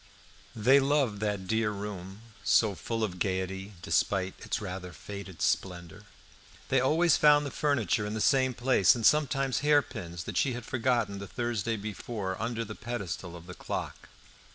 How they loved that dear room, so full of gaiety, despite its rather faded splendour! They always found the furniture in the same place, and sometimes hairpins, that she had forgotten the Thursday before, under the pedestal of the clock.